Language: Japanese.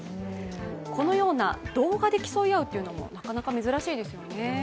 このような動画で競い合うというのも、なかなか難しいですよね。